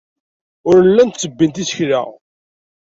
Ur llint ttebbint isekla.